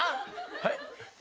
はい？